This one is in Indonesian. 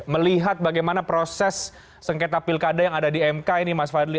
melihat bagaimana proses sengketa pilkada yang ada di mk ini mas fadli